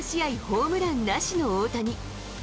ホームランなしの大谷。